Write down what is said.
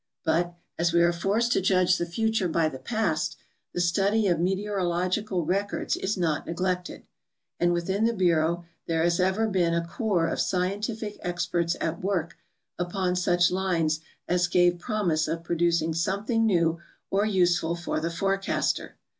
But, as we are forced to judge the future by the past, the study of meteorological records is not neglected, and within the bureau there has ever been a corps of scientific experts at work upon such lines as gave prom ise of producing something new or useful for the forecaster.